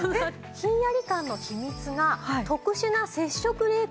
ひんやり感の秘密が特殊な接触冷感